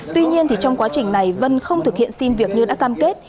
tuy nhiên trong quá trình này vân không thực hiện xin việc như đã cam kết